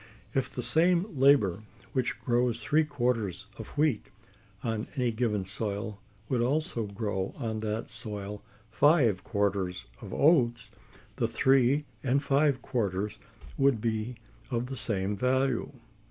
If the same labor which grows three quarters of wheat on any given soil would always grow on that soil five quarters of oats, the three and the five quarters would be of the same value.